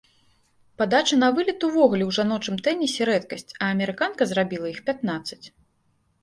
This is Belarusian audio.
Падача на вылет увогуле ў жаночым тэнісе рэдкасць, а амерыканка зрабіла іх пятнаццаць.